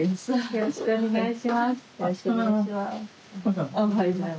よろしくお願いします。